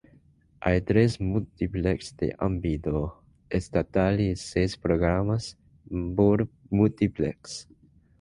Hay tres múltiplex de ámbito estatal y seis programas por múltiplex.